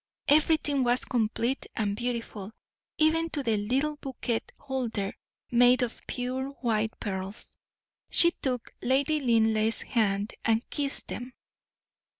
Everything was complete and beautiful, even to the little bouquet holder, made of pure white pearls. She took Lady Linleigh's hands and kissed them.